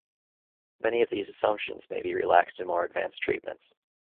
Many of these assumptions may be relaxed in more advanced treatments.